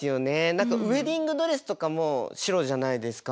何かウエディングドレスとかも白じゃないですか。